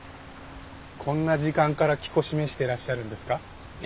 こんな時間から聞こし召してらっしゃるんですか？